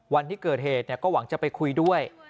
วันที่เกิดเหตุก็หวังจะไปคุยด้วย